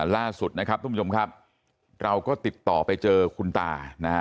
ล่าสุดนะครับทุกผู้ชมครับเราก็ติดต่อไปเจอคุณตานะฮะ